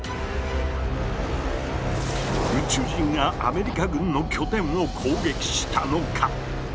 宇宙人がアメリカ軍の拠点を攻撃したのか？